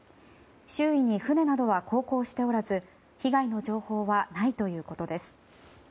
周囲に船などは航行しておらず被害の情報はないということです。